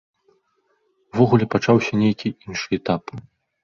Увогуле, пачаўся нейкі іншы этап.